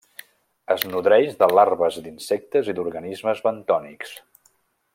Es nodreix de larves d'insectes i d'organismes bentònics.